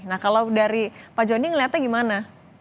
nah kalau dari pak jonny ngeliatnya gimana